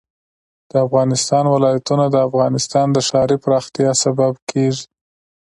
د افغانستان ولايتونه د افغانستان د ښاري پراختیا سبب کېږي.